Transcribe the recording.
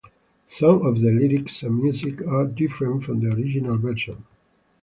Some of the lyrics and music are different from the original version.